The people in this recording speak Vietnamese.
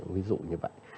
ví dụ như vậy